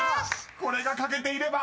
［これが書けていれば］